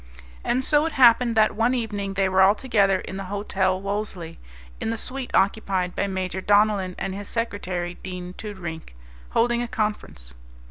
And so it happened that one evening they were all together in the Hotel Wolesley, in the suite occupied by Major Donellan and his secretary, Dean Toodrink, holding a conference.